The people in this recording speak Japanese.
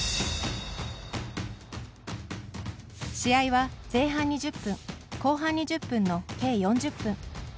試合は前半２０分後半２０分の計４０分。